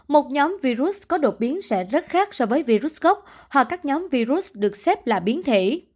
một nhóm virus có đột biến sẽ rất khác so với virus gốc hoặc các nhóm virus được xếp là bệnh nhân